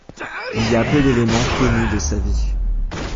Il y a peu d'éléments connus de sa vie.